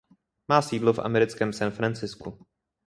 Má sídlo v americkém San Franciscu.